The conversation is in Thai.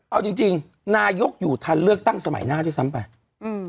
เอาจริงจริงนายกอยู่ทันเลือกตั้งสมัยหน้าด้วยซ้ำไปอืม